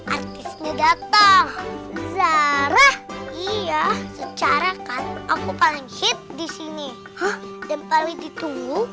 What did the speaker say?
artisnya datang zarah iya secara kan aku paling ship di sini dan paling ditunggu